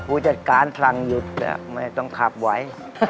ผู้จัดการสั่งหยุดไม่ต้องขับไหว